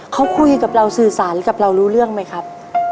เขาคุยกับเราสื่อสารกับเรารู้เรื่องไหมครับ